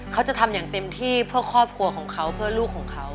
เขาจะทำอย่างเต็มที่เพื่อครอบครัวของเขาเพื่อลูกของเขา